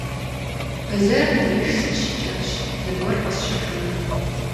Бэзэрым деж сыкъыщикӀащ, зыгуэр къэсщэхуну.